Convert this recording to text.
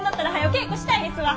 稽古したいですわ。